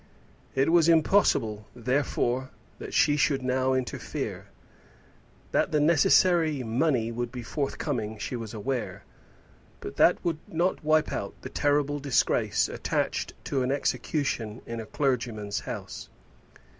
It was impossible, therefore, that she should now interfere. That the necessary money would be forthcoming she was aware, but that would not wipe out the terrible disgrace attached to an execution in a clergyman's house.